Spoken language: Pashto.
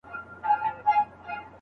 ډېر خلک دا پوښتنه کوي.